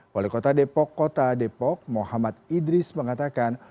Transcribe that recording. wali kota depok kota depok muhammad idris mengatakan